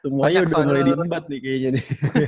semua udah mulai dihambat nih kayaknya nih